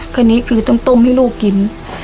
คราวนี้คือต้องต้มให้ลูกกิน